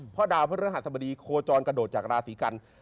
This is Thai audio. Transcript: เพราะดาวพระฤหัสบดีโคจรกระโดดจากราศีกัน